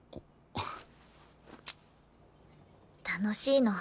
楽しいの。